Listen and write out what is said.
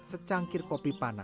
lalu saya mencoba dengan kekuatan